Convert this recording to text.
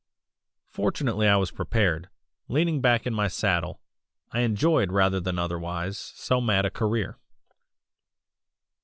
"Fortunately I was prepared; leaning back in my saddle I enjoyed rather than otherwise so mad a career.